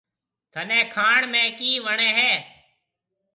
ٿَني کائڻ ۾ ڪِي وڻيَ هيَ؟